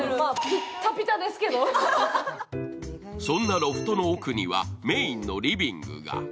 そんなロフトの奥にはメインのリビングが。